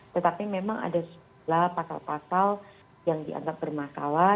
tetapi memang ada sejumlah pasal pasal yang dianggap bermasalah